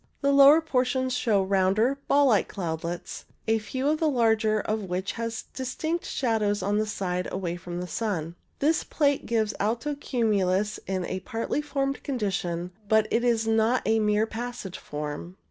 The lower portion shows rounder, ball like cloudlets, a few of the larger of which have distinct shadows on the side away from the sun. This plate gives alto cumulus in a partly formed condition, but it is not a mere passage form.